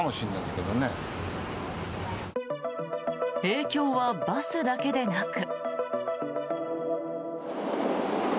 影響はバスだけでなく。